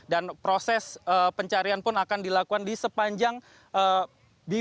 dan proses pencarian pun akan dilakukan di sepanjang bibir